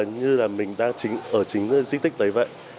như là mình đang ở chính di tích đấy vậy